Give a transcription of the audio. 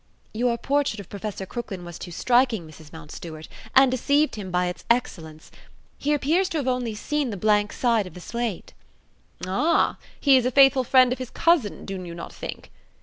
"Your portrait of Professor Crooklyn was too striking, Mrs Mountstuart, and deceived him by its excellence. He appears to have seen only the blank side of the slate." "Ah! He is a faithful friend of his cousin, do you not think?"